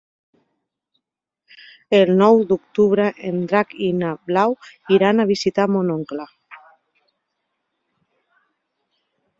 El nou d'octubre en Drac i na Blau iran a visitar mon oncle.